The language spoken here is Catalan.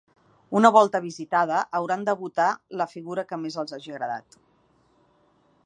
Una volta visitada, hauran de votar la figura que més els hagi agradat.